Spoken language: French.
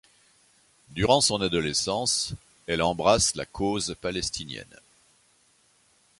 Durant son adolescence, elle embrasse la cause palestinienne.